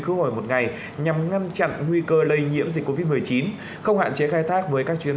thu hồi một ngày nhằm ngăn chặn nguy cơ lây nhiễm dịch covid một mươi chín không hạn chế khai thác với các chuyến